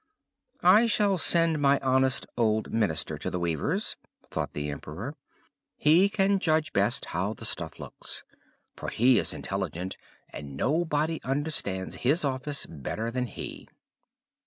"I shall send my honest old minister to the weavers," thought the emperor. "He can judge best how the stuff looks, for he is intelligent, and nobody understands his office better than he."